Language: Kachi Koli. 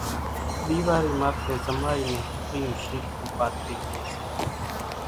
ۮيوارِي ماٿيَ زمائِي نين ۿڦرِي شيرکون پاٿرِي ڄي سي